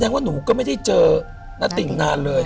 อ๋อแสดงว่าหนูก็ไม่ได้เจอนาติงนานเลย